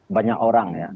banyak orang ya